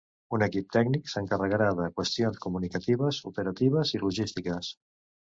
Un equip tècnic s’encarregarà de qüestions comunicatives, operatives i logístiques.